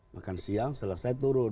makan siang selesai turun